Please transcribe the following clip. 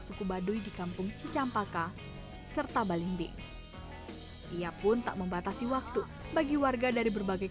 suku baduy di kampung cicampaka serta balimbing ia pun tak membatasi waktu bagi warga dari berbagai